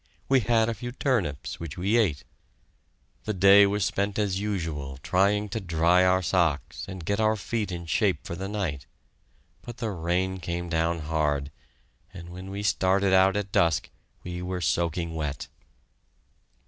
We had a few turnips, which we ate. The day was spent as usual trying to dry our socks and get our feet in shape for the night, but the rain came down hard, and when we started out at dusk we were soaking wet.